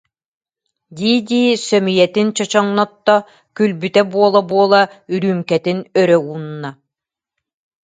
дии-дии сөмүйэтин чочоҥнотто, күлбүтэ буола-буола үрүүмкэтин өрө уунна